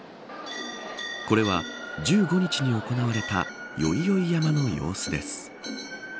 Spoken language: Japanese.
これは、１５日に行われた宵々山の様子です。